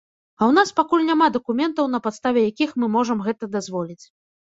А ў нас пакуль няма дакументаў, на падставе якіх мы можам гэта дазволіць.